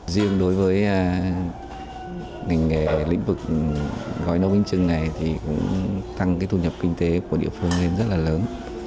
riêng đối với ngành nghề lĩnh vực gói nấu bánh trưng này thì cũng tăng cái thu nhập kinh tế của địa phương lên rất là lớn